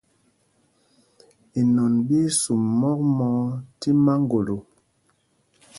Inɔn ɓí í sum mɔk mɔɔ tí maŋgolo.